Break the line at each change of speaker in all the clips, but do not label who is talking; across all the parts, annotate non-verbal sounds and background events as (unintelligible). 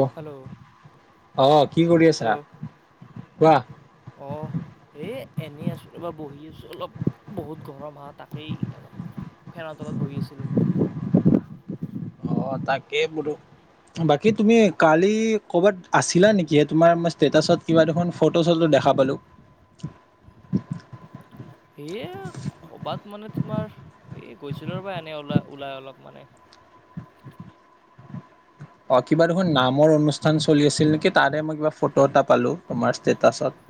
অ
hello
অ কি কৰি আছা কোৱা
অ এ (unintelligible) এনেই আছোঁ বা বহি আছোঁ অলপ বহুত গৰম হা তাকেই ফেনৰ তলত বহি আছিলোঁ
অ তাকেই বোলো বাকী তুমি কালি কৰ'বাত আছিলা নেকি তোমাৰ ষ্টেটাচত কিবা দেখোন ফটো দেখা পালো
এ ক'বাত মানে তোমাৰ এই গৈছিলো ৰবা এনে ওলাই ওলাই অলপ মানে
অ কিবা দেখোন নামৰ অনুষ্ঠান চলি আছিল নেকি তাতহে মই কিবা ফটো এটা পালো তোমাৰ ষ্টেটাচত (inaudible)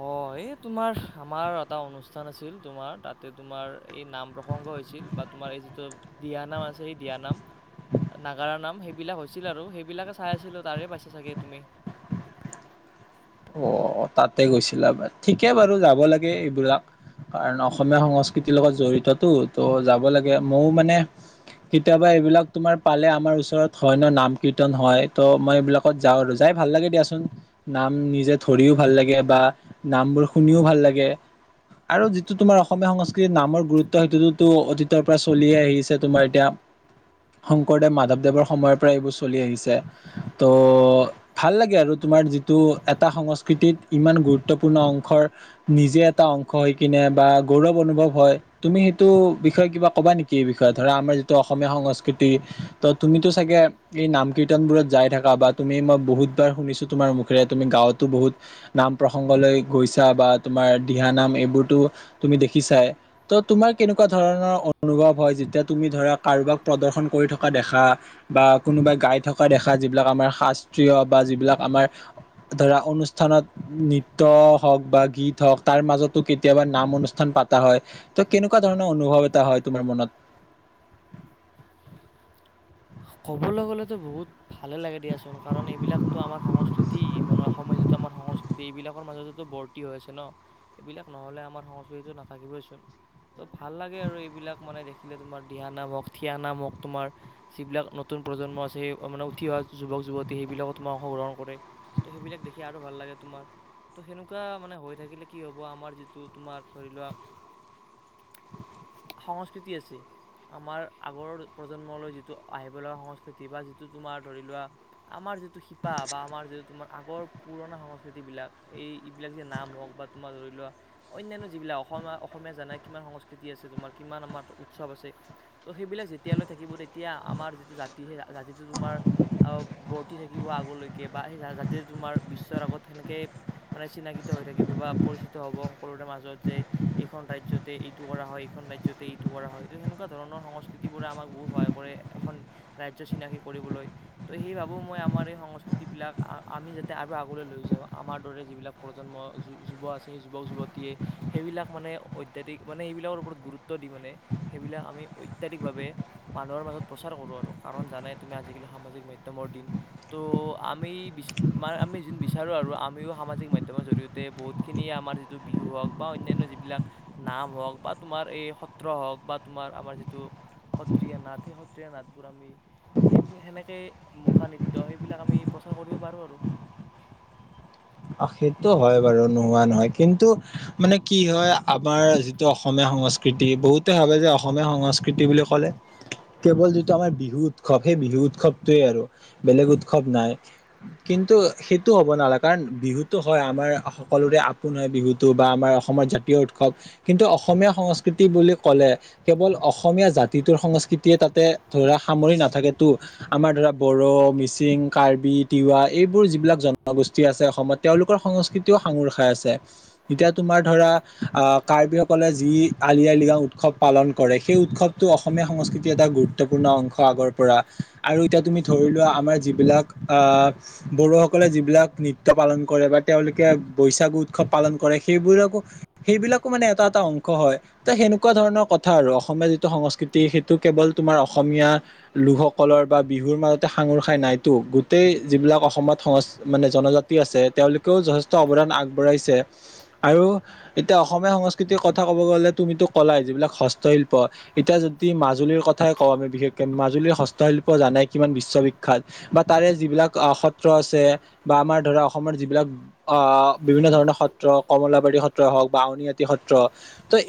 অ এই তোমাৰ আমাৰ এটা অনুষ্ঠান আছিল তোমাৰ তাতে তোমাৰ এই নাম প্ৰসং (unintelligible) হৈছিল বা তোমাৰ এই যিটো দিহা নাম আছে সেই দিহা নাম (unintelligible) নাগাৰা নাম সেইবিলাক হৈছিল আৰু সেইবিলাকে চাই আছিলো তাৰে পাইছা চাগে তুমি (unintelligible)
অ তাতে গৈছিলা ঠিকে বাৰু যাব লাগে এইবিলাক কাৰণ অসমীয়া সংস্কৃতিৰ লগত জড়িতটো ত' যাব লাগে ময়ও মানে কেতিয়াবা এইবিলাক তোমাৰ পালে আমাৰ ওচৰত হয় ন নাম কীৰ্তন হয় ত মই এইবিলাকত যাওঁ আৰু যাই ভাল লাগে দিয়াচোন নাম নিজ যে ধৰিও ভাল লাগে বা নামবোৰ শুনিও ভাল লাগে আৰু যিটো তোমাৰ অসমীয়া সংস্কৃতিৰ নামৰ গুৰুত্ব সেইটোতো অতীতৰ পৰা চলিয়ে আহিছে তোমাৰ এতিয়া শংকৰদেৱ মাধৱদেৱৰ সময়ৰ পৰা এইবোৰ চলি আহিছে ত' ভাল লাগে আৰু তোমাৰ যিটো (unintelligible) এটা সংস্কৃতিত ইমান গুৰুত্বপূৰ্ণ অংশৰ নিজে এটা অংশ হৈ কিনে বা গৌৰৱ অনুভৱ হয় তুমি সেইটো বিষয়ে কিবা কবা নেকি এই বিষয়ে ধৰা আমাৰ যিটো অসমীয়া সংস্কৃতি ত' তুমিতো চাগে এই নাম কীৰ্তনবোৰত যাই থাকা বা তুমি মই বহুতবাৰ শুনিছো তোমাৰ মুখেৰে তুমি গাঁওতো বহুত নাম প্ৰসংগলৈ গৈছা বা তোমাৰ দিহা নাম এইবোৰতো তুমি দে দেখিছাই ত'তোমাৰ কেনেকুৱা ধৰণৰ অনুভৱ হয় যেতিয়া তুমি ধৰা কাৰোবাক প্ৰদৰ্শন কৰি থকা দেখা বা কোনোবা গাই থকা দেখা যিবিলাক আমাৰ শাস্ত্ৰীয় বা যিবিলাক আমাৰ ধৰা অনুষ্ঠানত নৃত্য হক বা গীত হক তাৰ মাজতো কেতিয়াবা নাম অনুষ্ঠান পাতা হয় ত' কেনেকুৱা ধৰণৰ অনুভৱ এটা হয় তোমাৰ মনত? (inaudible)
ক'বলৈ গ'লেতো বহুত ভালে লাগে দিয়াচোন কাৰণ এইবিলাকতো আমাৰ সংস্কৃতি মানে অসমীয়া আমাৰ সংস্কৃতি এইবিলাকৰ মাজতেতো বৰ্তি হৈ আছে ন' এইবিলাক নহলে আমাৰ সংস্কৃতিটো নাথাকিবই চোন। ত' ভাল লাগে আৰু এইবিলাক মানে দেখিলে তোমাৰ দিহা নাম হক, থিয়া নাম হক তোমাৰ যিবিলাক নতুন প্ৰজন্ম আছে মানে উঠি অহা যুৱক -যুৱতী সেইবিলাকত মই অংশগ্ৰহণ কৰে ত' সেইবিলাক দেখ খিয়াৰো ভাল লাগে তোমাৰ। ত' সেনেকুৱা মানে হৈ থাকিলে কি হব আমাৰ যিটো তোমাৰ ধৰি লোৱা
(inaudible)
সংস্কৃতি আছে, আমাৰ আগৰ প্ৰজন্মলৈ যিটো আহিবলগা সংস্কৃতি বা যিটো তোমাৰ ধৰি লোৱা আমাৰ যিটো শিপা বা আমাৰ যিটো তোমাৰ আগৰ পুৰণা সংস্কৃতিবিলাক এই এইবিলাক যে নাম হওক বা তোমাৰ ধৰি লোৱা অন্যান্য যিবিলাক অসমীয়-অসমীয়া জানাই কিমান সংস্কৃতি আছে তোমাৰ কিমান আমাৰ উৎসৱ আছে। ত' সেইবিলাক যেতিয়ালৈ থাকিব তেতিয়া আমাৰ যিটো জাতি সেই জাতিটো তোমাৰ বৰ্তি থাকিব আগলৈকে বা সেই জাতিটো তোমাৰ বিশ্বৰ আগত সেনেকেই মানে চিনাকিত হৈ থাকিব বা পৰিচিত হ'ব সকলোৰে মাজত যে এইখন খন ৰাজ্যতে এইটো কৰা হয় এইখন ৰাজ্যতে এইটো কৰা হয় তো সেনেকুৱা ধৰণৰ সংস্কৃতি বোৰে আমাক বহুত সহায় কৰে। এখন ৰাজ্য চিনাকি কৰিবলৈ ত' সেই ভাবো মই আমাৰ এই সংস্কৃতিবিলাক আমি যাতে আৰু আগলৈ লৈ যাওঁ। আমাৰ দৰে যিবিলাক প্ৰজন্ম যু- যুৱ আছে সেই যুৱক -যুৱতীয়ে সেইবিলাক মানে অত্যাধিক মানে সেইবিলাকৰ ওপৰত গুৰুত্ব দি মানে সেইবিলাক আমি অত্যাধিকভাৱে মানুহৰ মাজত প্ৰচাৰ কৰোঁ আৰু কাৰণ জানাই তুমি আজিকালি সামাজিক মাধ্যমৰ দিন। ত' আমি আমি যিন বিচাৰোঁ আৰু আমিও সামাজিক মাধ্যমৰ জৰিয়তে বহুতখিনি আমাৰ যিটো বিহু হ'ক বা অন্যান্য যিবিলাক নাম হওক বা তোমাৰ এই সত্ৰ হওক বা তোমাৰ আমাৰ যিটো সত্ৰীয়া নাট এ হওক সত্ৰীয়া নাটবোৰ আমি এই সেনেকেই মুখা নৃত্য সেইবিলাক আমি প্ৰচাৰ কৰিব পাৰোঁ আৰু।
(inaudible) অহ, সেইটো হয় বাৰু নোহোৱা নহয় কিন্তু মানে কি হয় আমাৰ যিটো অসমীয়া সংস্কৃতি বহুতে ভাবে যে অসমীয়া সংস্কৃতি বুলি ক'লে কেৱল যিটো আমাৰ বিহু উৎসৱ সেই বিহু উৎসৱটোৱে আৰু বেলেগ উৎসৱ নাই। কিন কিন্তু সেইটো হ'ব নালাগে কাৰণ বিহুতো হয় আমাৰ সকলোৰে আপোন হয় বিহুতো বা আমাৰ অসমৰ জাতীয় উৎসৱ। কিন্তু অসমীয়া সংস্কৃতি বুলি কলে কেৱল অসমীয়া জাতিটোৰ সংস্কৃতিয়ে তাতে ধৰা সামৰি নাথাকে টো আমাৰ ধৰা বড়ো, মিচিং, কাৰ্বি, তিৱা এইবোৰ যিবিলাক জনগোষ্ঠী আছে অসমত তেওঁলোকৰ সংস্কৃতিও সাঙুৰ খাই আছে। এতিয়া তোমাৰ ধৰা কাৰ্বিসকলে যি আলি আই লৃগাও উৎসৱ পালন কৰে সেই উৎসৱটো অসমীয়া সংস্কৃতিৰ এটা গুৰুত্বপূৰ্ণ অংশ আগৰ পৰা। আৰু এতিয়া তুমি ধৰি লোৱা আমাৰ যিবিলাক আহ বড়োসকলে যিবিলাক নৃত্য পালন কৰে বা তেওঁলোকে বৈছাগু উৎসৱ পালন কৰে সেইবোৰ আকৌ সেইবিলাকো মানে এটা- এটা অংশ হয়। ত' সেনেকুৱা ধৰণৰ কথা আৰু অসমীয়া যিটো সংস্কৃতি সেটো কেৱল তোমাৰ অসমীয়া লোকসকল বা বিহুৰ মাজতে সাঙুৰ খাই নাইতো গোটেই যিবিলাক অসমত সংচ মানে জনজাতি আছে তেওঁলোকেও যথেষ্ট অৱদান আগবঢ়াইছে আৰু এতিয়া অসমীয়া সংস্কৃতিৰ কথা ক'ব গ'লে তুমিতো কলাই যিবিলাক হস্তশিল্প এতিয়া যদি মাজুলীৰ কথাই কওঁ আমি বিশেষকে মাজুলীৰ হস্তশি শিল্প জানাই কিমান বিশ্ববিখ্যাত বা তাৰে যিবিলাক সত্ৰ আছে বা আমাৰ ধৰা অসমৰ যিবিলাক আহ বিভিন্ন ধৰণৰ সত্ৰ কমলাবাৰী সত্ৰই হওক বা আউনআতি সত্ৰ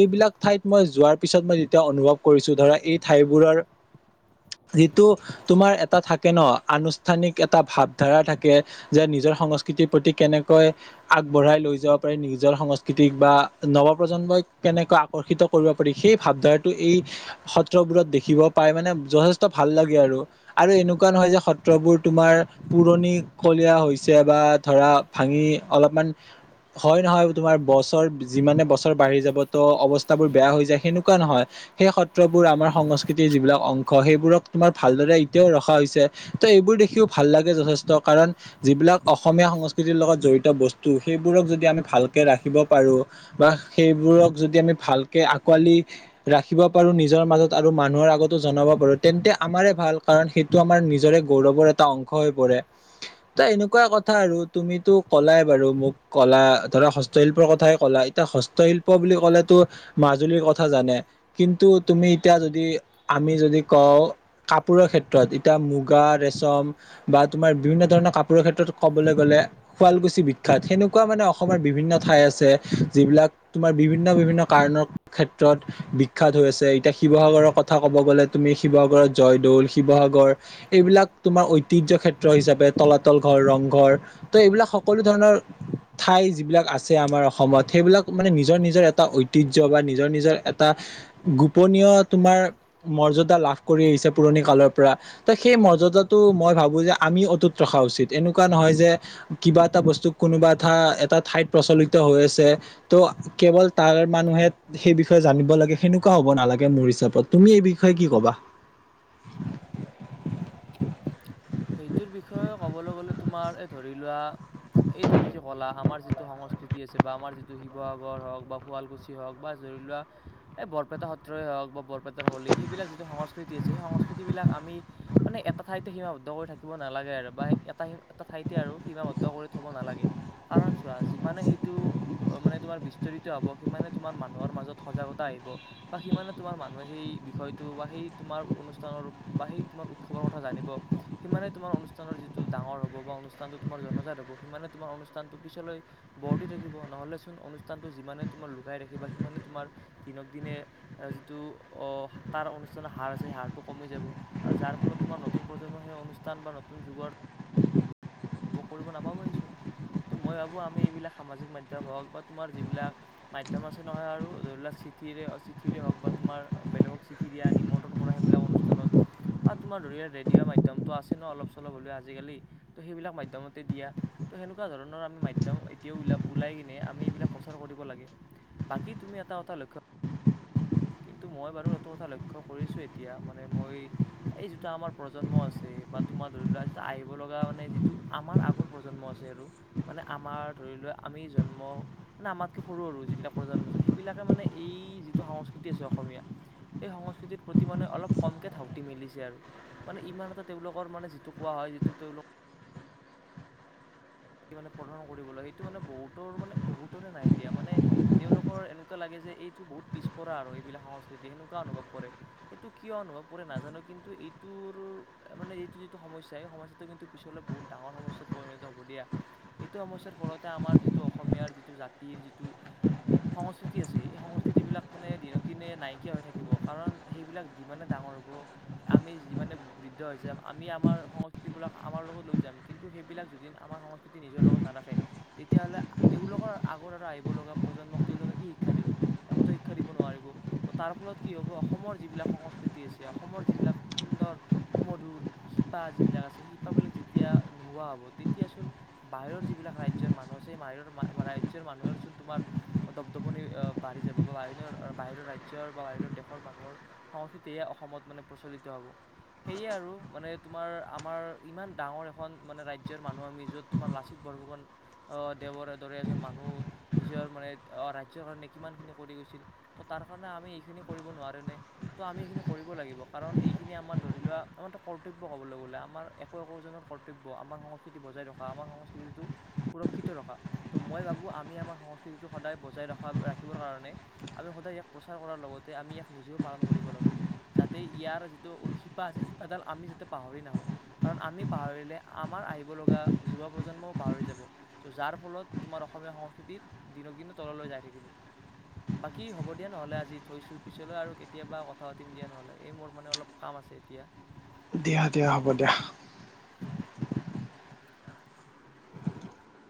এইবিলাক ঠাইত মই যোৱাৰ পিছত মই যেতিয়া অনুভৱ কৰিছো ধৰা এই ঠাইবোৰৰ যিটো তোমাৰ এটা থাকে ন'আনুষ্ঠানিক এটা ভাৱধাৰা থাকে যে নিজৰ সংস্ক স্কৃতিৰ প্ৰতি কেনেকৈ আগবঢ়াই লৈ যাব পাৰি নিজৰ সংস্কৃতিক বা নৱ প্ৰজন্মই কেনেকৈ আকৰ্ষিত কৰিব পাৰি সেই ভাৱধাৰাটো এই সত্ৰবোৰত দেখিব পাই মানে যথেষ্ট ভাৱ ভাল লাগে আৰু আৰু এনেকুৱা নহয় যে সত্ৰবোৰ তোমাৰ পুৰণি কলীয়া হৈছে বা ধৰা ভাঙি অলপমান হয় নহয় তোমাৰ বছৰ যিমানে বছৰ বাঢ়ি যাবতো অৱস্থাবোৰ বেয়া হৈ যায় সেনেকুৱা নহয়। সেই সত্ৰবোৰ আমাৰ সংস্কৃতিৰ যিবিলাক অংশ সেইবোৰক তোমাৰ ভালদৰে এতিয়াও ৰখা হৈছে ত এইবোৰ দেখিও ভাল লাগে যথেষ্ট কাৰণ যিবিলাক অসমীয়া সংস্কৃতিৰ লগত জড়িত ত বস্তু সেইবোৰক যদি আমি ভাল কে ৰাখিব পাৰো বা সেইবোৰক যদি আমি ভালকে পোৱালি ৰাখিব পাৰো নিজৰ মাজত আৰু মানুহৰ আগত জনাব পাৰো তেন্তে আমাৰে ভাল কাৰণ সেই টো আমাৰ নিজৰে গৌৰৱৰ এটা অংশ হৈ পৰে ত এনেকুৱা ক। কথা আৰু তুমিতো ক'লাই বাৰু মোক ক'লা ধৰা হস্তশিল্পৰ কথাই ক'লা এতিয়া হস্তশিল্প। ক'লে টো মাজুলীৰ কথা জানে, কিন্তু তুমি এতিয়া যদি আমি যদি কওঁ। কাপোৰৰ ক্ষেত্ৰত এতিয়া মুগা ৰেচম বা তোমাৰ বিভিন্ন ধৰণৰ কাপোৰৰ ক্ষেত্ৰত। ক'বলৈ গ'লে শুৱালকুছি বিখ্যাত সেনেকুৱা মানে অসমৰ বিভিন্ন ঠাই আছে যিবিলাক তোমাৰ। বিভিন্ন বিভিন্ন কাৰণৰ ক্ষেত্ৰত বিখ্যাত হৈ আছে এতিয়া শিৱসাগৰৰ কথা ক'ব গ'লে তুমি শিৱ। শিৱসাগৰত জয়দৌল শিৱসাগৰ এইবিলাক তোমাৰ ঐতিহ্য ক্ষেত্ৰ হিচাপে তলাতল ঘৰ ৰং। গড় ত' এইবিলাক সকলো ধৰণৰ। ঠাই যিবিলাক আছে আমাৰ অসমত সেইবিলাক মানে নিজৰ নিজৰ এটা ঐতিহ্য বা নিজৰ নিজৰ এটা। গোপনীয় তোমাৰ, মৰ্যদা লাভ কৰি আহিছে পুৰণি কালৰ পৰা ত সেই মৰ্যদা। তো মই ভাবো যে আমি অটুত ৰখা উচিত এনেকুৱা। এনেকোৱা নহয় যে, কিবা এটা বস্তু কোনোবা এটা এটা ঠাইত প্ৰচলিত হৈ আছে ত'। কেৱল তাৰ মানুহে সেই বিষয়ে জানিব লাগে সেনেকুৱা হ'ব নালাগে মোৰ হিচাপত তুমি এই বিষয়ে কি ক'বা। (unintelligible)
সেইটোৰ বিষয়ে ক'বলৈ গ'লে তোমাৰ এই ধৰি লোৱা। এই তুমি যে ক'লা আমাৰ যিটো সংস্কৃতি আছে বা আমাৰ যিটো শিৱসাগৰ হওক বা শুৱালকুছি হওক বা য। লোৱা এই বৰপেটা সত্ৰই হওক বা বৰপেটাৰ হলী সেইবিলাক যিটো সংস্কৃতি আছে সেই সংস্কৃতি বিলাক আমি। মানে এটা ঠাইতে সিমা। থাকিব নালাগে আৰু এটা এ ঠাইতে আৰু সীমাবদ্ধ কৰি নালাগে কাৰণ চোৱা। সে সেইটো অ মানে তোমাৰ বিস্তৰিত হব সিমানে তোমাৰ মানুহৰ মাজত সজাগতা আহিব বা সি। তোমাৰ মানুহে, সেই বিষয়টো বা সেই তোমাৰ অনুষ্ঠানৰ বা সেই তোমাৰ উৎসৱৰ কথা জানিব। সিমানে তোমাৰ অনুষ্ঠানৰ যিটো ডাঙৰ হ'ব বা অনুষ্ঠানটো তোমাৰ জনজাত হ'ব সিমানে তোমাৰ অনুষ্ঠানটো পিছলৈ। বৰ্তি থাকিব নহ'লেচোন অনুষ্ঠানটো যিমানে তোমাৰ লুকাই ৰাখিবা সিমান তোমৰ দিনক দি। যিটো অ তাৰ অনুষ্ঠানৰ হাৰ আছে সেই হাৰটো কমি যাব আৰু যাৰ ফলত তোমাৰ নতুন প্ৰজন্ম সেই। স্থান বা নতুন যুগৰ। কৰিব নাপাবহিচোন। ত' মই ভাবো আমি এইবিলাক সামাজিক মাধয়ম হওঁক বা তোমাৰ যিবিলাক মাধ্য়ম আছে নহয় আৰু ধৰি ল। চিঠিৰে অ চিঠিৰে হওওঁক বা তোমাৰ বেলেগক চিঠি দিয়া নিমন্ত্ৰণ কৰা সেইবিলাক অনুষ্ঠানত। বা তোমাৰ ধৰি ৰেডিঅ' মাধ্মটো আছে ন অলপ চলপ হলেও আজিকালি ত সেইবিলাক ম। মাধ্যমতে দিয়া ত' সেনেকুৱা ধৰণৰ আমি মাধ্যম এতিয়াওল ওলাই কিনে আমি এইবিলাক প্ৰচাৰ কৰিব লাগে। বাকী তুমি এটা কথা লক্ষ্য।
(unintelligible)
কিন্তু মই বাৰু এইটো কথা লক্ষ্য কৰিছো এতিয়া মানে মই এই জোতা আমাৰ প্ৰজন্ম আছে বা। ধৰি লোৱা আমি আহিব লগা মানে যিটো আমাৰ আগৰ প্ৰজন্ম আছে আৰু মানে আমাৰ ধৰি লোৱা আমি। আমি জন্ম আতক সৰু সৰু যিলাকন সবিলাকে মানে যিটো। অসম সেই সংস্কৃতিৰ প্ৰতি মানে অলপ কমকে ধাউতি মেলিছে আৰু মানে ইমান এ। তেওঁলোকৰ মানে যিটো কোৱা হয় যিটো তেওঁলোক। মানে প্ৰদাৰন কৰিব লাগে সেইটো মানে বহুতৰ মানে বহুতৰে নাই দিয়া মানে তেওঁলোকৰ এনেকুৱা লাগে। যে এইটো বহুত পিছপৰা আৰু এইবিলাক সংস্কৃতি সেনেকুৱা অনুভৱ কৰে এইটো কিয় অনুভৱ কৰে নাজানো কিন্তু। এইটোৰ মানে এইটো যিটো সমস্যা এই সমস্যাটো কিন্তু পিছলৈ বহুত ডাঙৰ সমস্যাত পৰিণত হ'ব দিয়া। এইটো সমস্যাৰ ফলতে আমাৰ যিটো অসমীয়াৰ যিটো জাতিৰ যিটো। সংস্কৃতি আছে এই সংস্কৃতি বিলাক মানে দিনক দিনে নাইকিয়া হৈ থাকিব কাৰণ সেইবিলাক যিমানে ডাঙৰ। আমি যি বৃদ্ধ আমি আমাৰ সংস্কৃতিবিলাক আমাৰ লগত লৈ যাম কিন্তু সেই। এইবাক যদিন আমাৰ সম। যদি নিজৰ লগত নাৰাখে তেতিয়াহ'লে তেওঁলোকৰ আগৰ আৰু আহিবলগা প্ৰজন্মক তেওঁলোক কি শিক্ষা দিব। একোতো শিক্ষা দিব নোৱাৰিব ত তাৰ ফলত কি হ'ব অসমৰ যিবিলাক সংস্কৃতি আছে অসমৰ যিবিলাক। সুন্দৰ সুমধুৰ শিপা যিবিলাক আছে শিপাবিলাক যেতিয়া নোহোৱা হ'ব তেতিয়াচোন। বাহিৰৰ যিবিলাক ৰাজ্যয়ৰ মানুহ আছে সেই বাহিৰৰ ৰাজ্যৰ মানুহেচোন তোমাৰ দপদপনি। বাঢ়ি যাব বা বাহিৰ বাহিৰৰ ৰাজ্যৰ বা বাহিৰৰ দেশৰ মানুহৰ সংস্কৃতিয়ে অসমত মানে প্ৰচলিত। সেই আৰু মানে তোমাৰ আমাৰ ইমান ডাঙৰ এখন মানে ৰাজৰ মানুহ আমি য'ত। তোমাৰ লাচিত বৰফুকন আহ দেৱৰ দৰে এজন মানুহ নিজৰ মানে ৰাজ্যৰ কাৰণে কিমান। কিমান খিনি কৰি গৈছিল ত তাৰ কাৰণে আমি কৰিব নোৱাৰোঁ নে ত আমি এইখিনি কৰিব লাগিব কাৰণ এইখিনি। আমাৰ ধৰি লোৱা আমাৰটা কৰ্তব্য, ক'বলৈ গলে আমাৰ একো একোনৰ কৰ্তব্য আমাৰ সংস্কৃতি বজাই ৰখা। আমাৰ সংস্কৃতিটো সুৰক্ষিত ৰখা ত' মই ভাবোঁ আমি আমাৰ সংস্কৃতিটো সদায় বজাই ৰখাৰ। ৰাখিবৰ কাৰণে আমি সদায় ইয়াক প্ৰচাৰ কৰাৰ লগতে আমি ইয়াক নিজেও পালন কৰিব লাগে যাতে ইয়াৰ। যিটো শিপা আছে শিপাডাল আমি যাতে পাহৰি নাহোঁ কাৰণ আমি পাহৰিলে আমাৰ আহিবলগা। যুৱ প্ৰজন্মও পাহৰি যাব। যাৰ ফলত তোমাৰ অসমীয়া সংস্কৃতিত দিনক দিনে তললৈ যাই থাকিব।
(inaudible)
বাকী হ'ব দিয়া নহলে আজি থৈছোঁ। পিছলৈ আৰু কেতিয়াবা কথা পাতিম দিয়া নহলে, এই মোৰ মানে অলপ কাম আছে। এতিয়া।
দিয়া দিয়া হ'ব দিয়া।